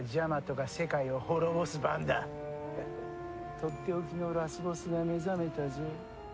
とっておきのラスボスが目覚めたぞ。